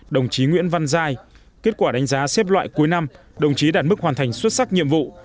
đồng chí nguyễn văn giai kết quả đánh giá xếp loại cuối năm đồng chí đạt mức hoàn thành xuất sắc nhiệm vụ